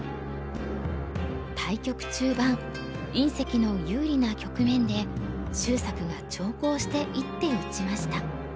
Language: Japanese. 対局中盤因碩の有利な局面で秀策が長考して一手打ちました。